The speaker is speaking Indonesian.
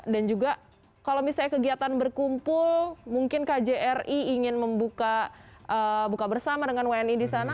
dan juga kalau misalnya kegiatan berkumpul mungkin kjri ingin membuka bersama dengan wni di sana